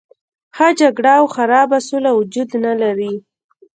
ښه جګړه او خرابه سوله وجود نه لري.